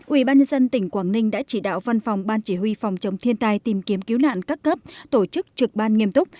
ubnd tỉnh quảng ninh đã chỉ đạo văn phòng ban chỉ huy phòng chống thiên tai tìm kiếm cứu nạn các cấp tổ chức trực ban nghiêm túc